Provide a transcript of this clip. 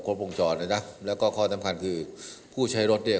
วงจรนะจ๊ะแล้วก็ข้อสำคัญคือผู้ใช้รถเนี่ย